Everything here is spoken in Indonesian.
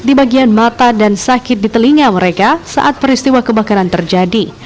di bagian mata dan sakit di telinga mereka saat peristiwa kebakaran terjadi